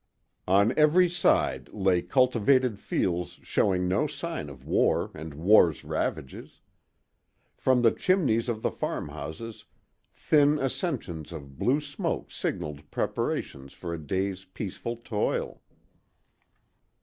On every side lay cultivated fields showing no sign of war and war's ravages. From the chimneys of the farmhouses thin ascensions of blue smoke signaled preparations for a day's peaceful toil.